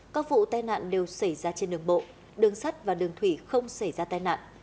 các vụ tai nạn đều xảy ra trên đường bộ đường sắt và đường thủy không xảy ra tai nạn